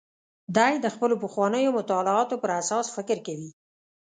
دی د خپلو پخوانیو مطالعاتو پر اساس فکر کوي.